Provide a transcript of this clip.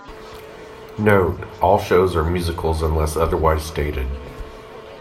Note: All shows are musicals unless otherwise stated.